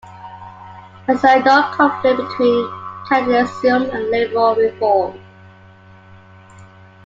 They saw no conflict between Catholicism and liberal reform.